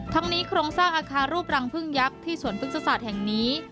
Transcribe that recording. นี้โครงสร้างอาคารรูปรังพึ่งยักษ์ที่สวนพฤกษศาสตร์แห่งนี้